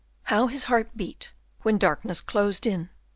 How his heart beat when darkness closed in!